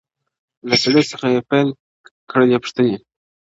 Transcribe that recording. له سړي څخه یې پیل کړلې پوښتني٫